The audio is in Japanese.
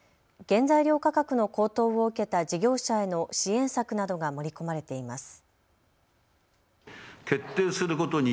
原材料価格の高騰を受けた事業者への支援策などが盛り込まれています。